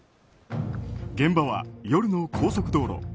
現場は夜の高速道路。